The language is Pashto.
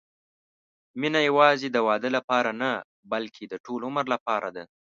مینه یوازې د واده لپاره نه، بلکې د ټول عمر لپاره ده.